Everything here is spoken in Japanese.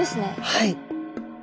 はい。